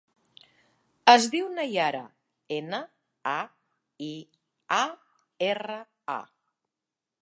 Es diu Naiara: ena, a, i, a, erra, a.